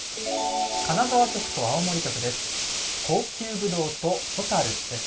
金沢局と青森局です。